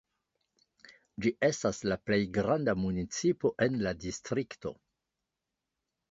Ĝi estas la plej granda municipo en la distrikto.